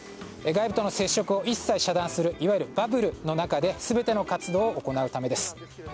外部との接触を一切遮断するいわゆるバブルの中で全ての活動を行うためです。